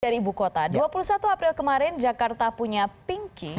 dari ibu kota dua puluh satu april kemarin jakarta punya pinky